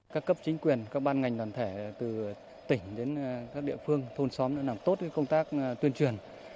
các cấp chính quyền các ban ngành đoàn thể từ tỉnh đến các địa phương thôn xóm đã làm tốt công tác tuyên truyền